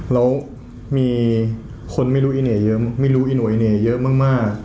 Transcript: แล้วมีคนไม่รู้อีเน่เยอะไม่รู้อีเหน่อเน่เยอะมาก